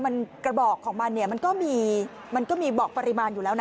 มันกระบอกของมันเนี่ยมันก็มีมันก็มีบอกปริมาณอยู่แล้วนะ